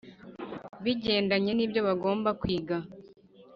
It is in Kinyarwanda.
bigendanye n’ibyo bagomba kwiga,